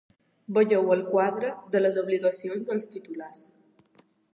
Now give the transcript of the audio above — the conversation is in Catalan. Vegeu el quadre de les obligacions dels titulars.